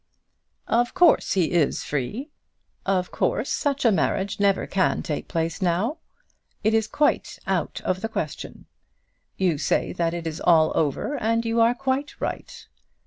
"Of course he is free. Of course such a marriage never can take place now. It is quite out of the question. You say that it is all over, and you are quite right.